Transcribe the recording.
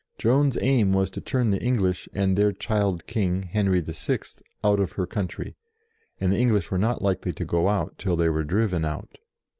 Joan's aim was to turn the English and their child King, Henry VI., out of her country ; and the English were not likely to go out till they were driven out.